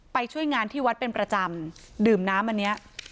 ช่วยงานที่วัดเป็นประจำดื่มน้ำอันนี้